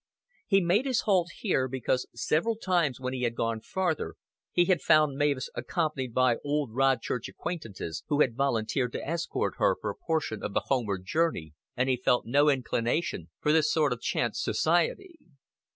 He made his halt here because several times when he had gone farther he had found Mavis accompanied by old Rodchurch acquaintances who had volunteered to escort her for a portion of the homeward journey, and he felt no inclination for this sort of chance society.